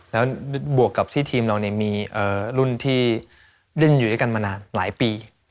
แล้วบวกกับที่ทีมเรามีรุ่นที่เล่นอยู่ด้วยกันมานานหลายปี